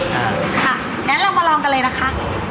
อย่างนั้นเรามาลองกันเลยนะคะ